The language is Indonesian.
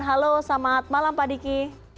halo selamat malam pak diki